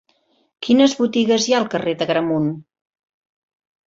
Quines botigues hi ha al carrer d'Agramunt?